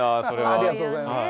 ありがとうございます。